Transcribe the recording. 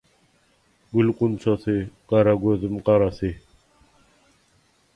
Gül-gunçasy – gara gözüm garasy,